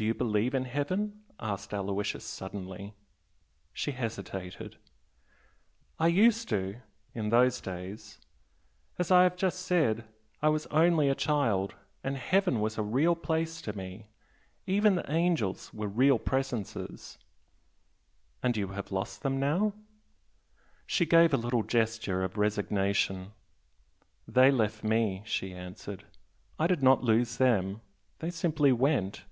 "Do you believe in heaven?" asked Aloysius, suddenly. She hesitated. "I used to, in those days. As I have just said I was only a child, and heaven was a real place to me, even the angels were real presences " "And you have lost them now?" She gave a little gesture of resignation. "They left me" she answered "I did not lose them. They simply went."